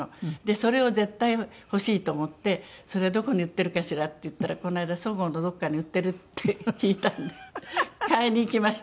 それを絶対欲しいと思って「それはどこに売ってるかしら？」って言ったらこの間そごうのどこかに売ってるって聞いたんで買いに行きました。